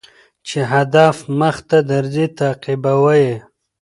چي هدف مخته درځي تعقيبوه يې